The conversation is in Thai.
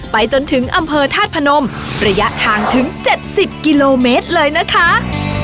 ไปจนถึงอำเภอธาตุพนมระยะทางถึง๗๐กิโลเมตรเลยนะคะ